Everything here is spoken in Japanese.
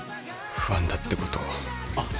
不安だってことを。